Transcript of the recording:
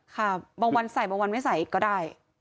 ค่ะบางวันใส่บางวันไม่ใส่ก็ได้